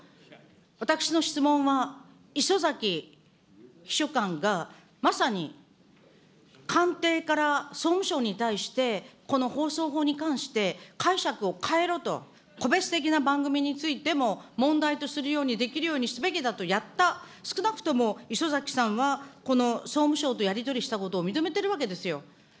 私の質問は礒崎秘書官が、まさに官邸から総務省に対して、この放送法に関して解釈を変えろと、個別的な番組についても、問題とするようにできるようにすべきだとやった、少なくとも礒崎さんは、この総務省とやり取りしたことを認めてるわけですよ。